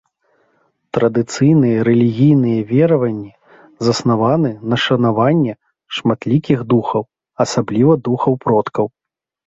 Традыцыйныя рэлігійныя вераванні заснаваны на шанаванне шматлікіх духаў, асабліва духаў продкаў.